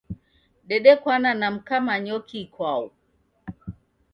Dedekwana na mka Manyoki ikwau.